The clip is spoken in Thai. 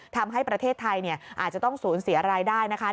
ทำให้ประเทศไทยอาจจะต้องสูญเสียรายได้นะคะ